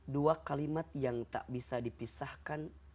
dua kalimat yang tak bisa dipisahkan